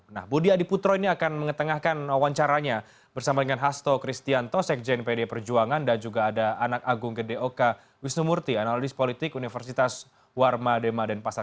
nah budi adiputro ini akan mengetengahkan wawancaranya bersama dengan hasto kristianto sekjen pd perjuangan dan juga ada anak agung gede oka wisnumurti analis politik universitas warma dema denpasar